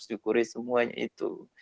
syukuri semuanya itu